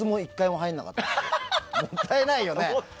もったいないよね。